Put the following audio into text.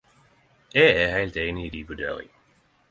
Eg er heilt einig i di vurdering.